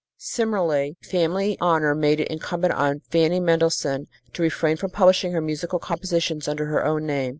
Similarly, family honor made it incumbent on Fanny Mendelssohn to refrain from publishing her musical compositions under her own name.